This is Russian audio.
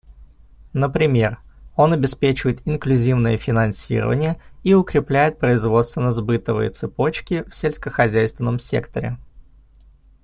Например, он обеспечивает инклюзивное финансирование и укрепляет производственно-сбытовые цепочки в сельскохозяйственном секторе.